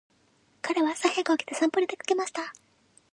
彼は朝早く起きて散歩に出かけました。